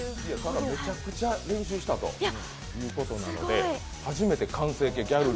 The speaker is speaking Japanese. めちゃくちゃ練習したということなので、初めて完成形ギャルル。